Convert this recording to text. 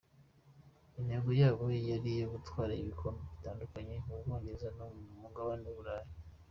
Intego yabo yari iyo gutwara ibikombe bitandukanye mu Bwongereza no ku mugabane w’Uburayi.